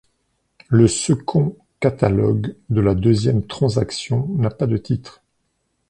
Le second catalogue de la deuxième transaction n'a pas de titre.